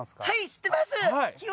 はい知ってます！